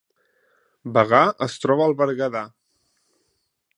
Bagà es troba al Berguedà